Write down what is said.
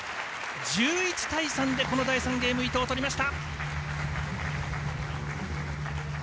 １１対３で第３ゲーム伊藤、取りました！